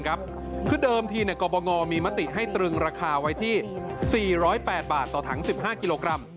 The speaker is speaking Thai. คือเดิมทีกรบงมีมติให้ตรึงราคาไว้ที่๔๐๘บาทต่อถัง๑๕กิโลกรัม